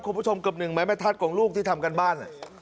คุณผู้ชมเกือบหนึ่งไหมแม่ทัศน์ของลูกที่ทำการบ้าน